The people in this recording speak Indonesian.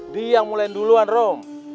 diam mulain duluan rom